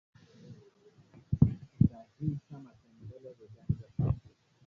utahita matembele Viganja tatu